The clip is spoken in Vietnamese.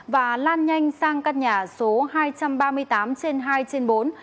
và lan nhanh sang căn nhà số hai trăm ba mươi tám trên hai trên bốn